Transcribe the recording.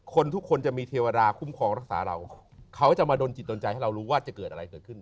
คนทุกคนจะมีเทวดาคุ้มครองรักษาเราเขาจะมาดนจิตโดนใจให้เรารู้ว่าจะเกิดอะไรเกิดขึ้น